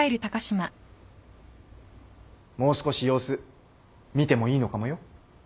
もう少し様子見てもいいのかもよ。